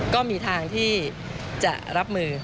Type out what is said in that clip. ก็มีทางที่จะรับมือ